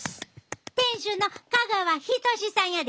店主の香川仁志さんやで！